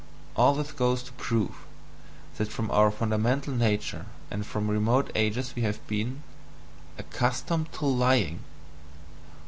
All this goes to prove that from our fundamental nature and from remote ages we have been ACCUSTOMED TO LYING.